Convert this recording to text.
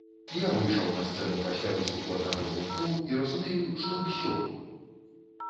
Я выйшаў на сцэну пасля выступу аднаго з гуртоў і разумею, што ўсё!